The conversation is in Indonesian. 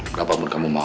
berapa pun kamu mau